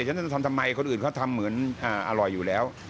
ฉันจะทำทำไมคนอื่นเขาทำเหมือนอร่อยอยู่แล้ว